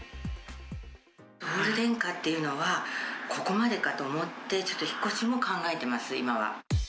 オール電化っていうのは、ここまでかと思って、ちょっと引っ越しも考えてます、今は。